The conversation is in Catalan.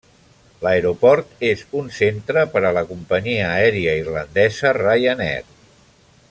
L'aeroport és un centre per a la companyia aèria irlandesa Ryanair.